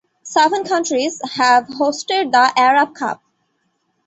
Seven countries have hosted the Arab Cup.